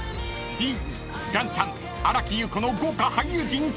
［ディーン岩ちゃん新木優子の豪華俳優陣と］